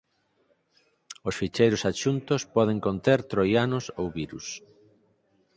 Os ficheiros adxuntos poden conter troianos ou virus.